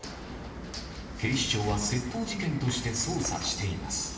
警視庁は窃盗事件として捜査しています。